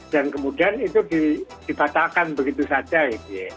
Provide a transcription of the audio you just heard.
dan kemudian itu dibatalkan begitu saja yudhiyah